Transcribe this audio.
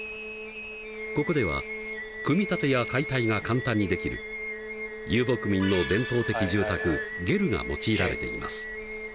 ここでは組み立てや解体が簡単にできる遊牧民の伝統的住宅ゲルが用いられています。